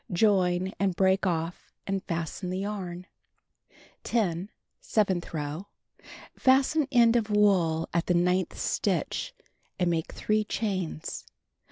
Join and break off and fasten the yarn. 10. Seventh row: Fasten end of wool at the ninth stitch and make 3 chains.